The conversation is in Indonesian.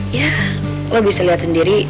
ya lu bisa liat sendiri